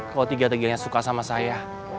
kau tiga teganya suka sama saya